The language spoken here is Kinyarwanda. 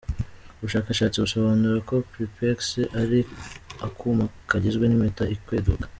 Ubushakashatsi busobanura ko Prepex ari akuma kagizwe n’impeta ikweduka.